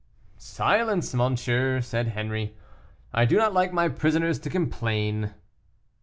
"Silence, monsieur," said Henri, "I do not like my prisoners to complain."